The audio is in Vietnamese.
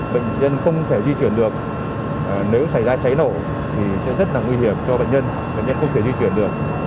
bệnh nhân không thể di chuyển được nếu xảy ra cháy nổ thì sẽ rất là nguy hiểm cho bệnh nhân bệnh nhân không thể di chuyển được